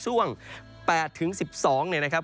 ช่วง๘๑๒นะครับ